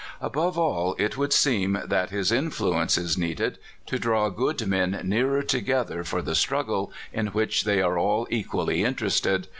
Above all, it would seem that his influence is needed to draw good men nearer together for the struggle in which they are all equally interested.